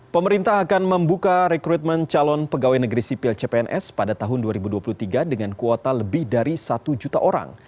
pemerintah akan membuka rekrutmen calon pegawai negeri sipil cpns pada tahun dua ribu dua puluh tiga dengan kuota lebih dari satu juta orang